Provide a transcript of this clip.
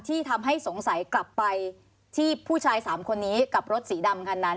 ที่ทำให้สงสัยกลับไปที่ผู้ชาย๓คนนี้กับรถสีดำคันนั้น